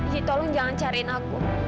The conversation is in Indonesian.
jadi tolong jangan cariin aku